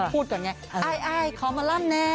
พูดก่อนไงอ้ายอ้ายขอหมอลำแน่